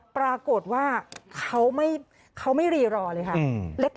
ปรากฏว่าเขาไม่รีรอเลยค่ะ